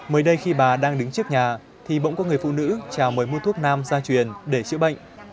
mới đây khi bà đang đứng trước nhà thì bỗng có người phụ nữ chào mời mua thuốc nam gia truyền để chữa bệnh